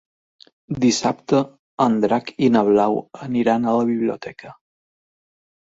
Dissabte en Drac i na Blau aniran a la biblioteca.